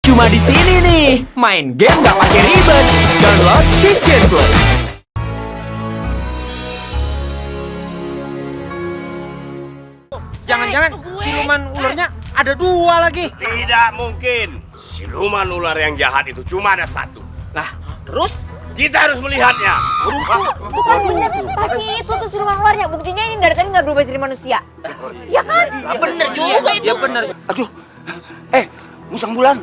cuma disini nih main game gak pake ribet download christian plus